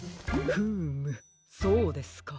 フームそうですか。